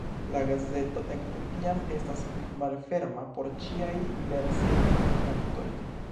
La gazeto ekde tiam estas malferma por ĉiaj diversaj vidpunktoj.